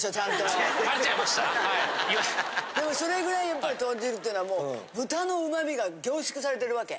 でもそれぐらいやっぱり豚汁っていうのはもう豚の旨味が凝縮されてるわけ？